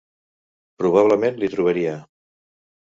Probablement l'hi trobaria.